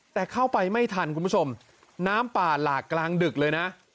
แต่เข้าไปไม่ทันคุณผู้ชมน้ำป่าหลากกลางดึกเลยนะ